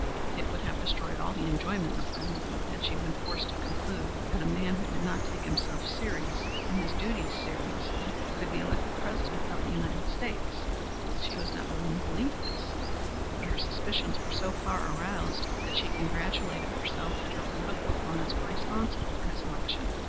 It would have destroyed all the enjoyment of her interview had she been forced to conclude that a man who did not take himself and his duties seriously could be elected President of the United States. She was not willing to believe this; but her suspicions were so far aroused that she congratulated herself that her political opponents were responsible for his election.